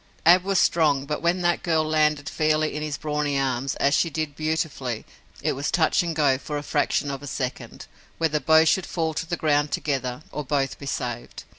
Ab was strong, but when that girl landed fairly in his brawny arms, as she did beautifully, it was touch and go, for a fraction of a second, whether both should fall to the ground together or both be saved.